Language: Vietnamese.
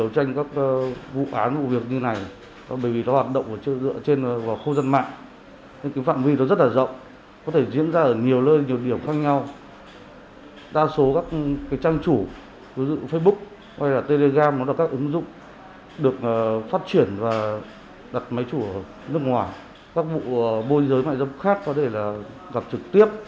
các vụ môi giới mại râm khác có thể là gặp trực tiếp